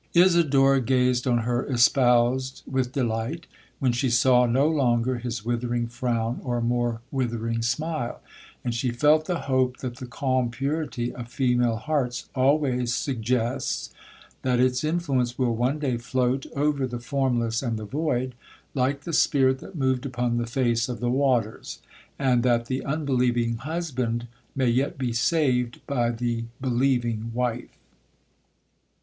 Isidora gazed on her espoused with delight, when she saw no longer his withering frown, or more withering smile; and she felt the hope that the calm purity of female hearts always suggests, that its influence will one day float over the formless and the void, like the spirit that moved upon the face of the waters; and that the unbelieving husband may yet be saved by the believing wife.